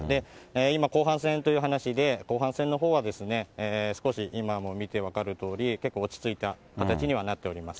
今、後半戦という話で、後半戦のほうは、少し今も見て分かるとおり、結構落ち着いた形にはなっております。